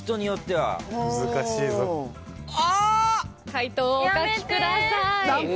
解答をお書きください。